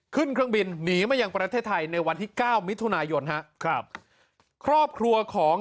ขึ้นเครื่องบินหนีมาอย่างประเทศไทยในวันที่๙มิธุนายนข้อครอบครัวของ